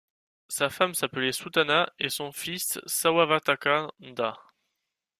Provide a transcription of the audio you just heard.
Sa femme s'appelait Sutanâ et son fils Samavattakkhanda.